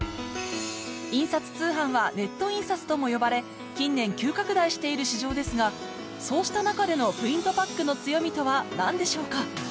印刷通販はネット印刷とも呼ばれ近年急拡大している市場ですがそうした中での何でしょうか？